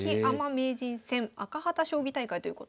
名人戦赤旗将棋大会ということで。